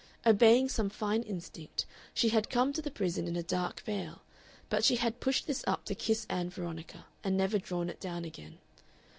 Obeying some fine instinct, she had come to the prison in a dark veil, but she had pushed this up to kiss Ann Veronica and never drawn it down again.